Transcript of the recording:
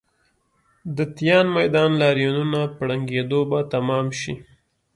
د تیان میدان لاریونونه په ړنګېدو به تمام شي.